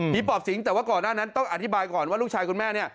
ปอบสิงแต่ว่าก่อนหน้านั้นต้องอธิบายก่อนว่าลูกชายคุณแม่เนี่ย